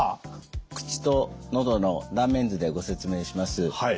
口と喉の断面図でご説明します。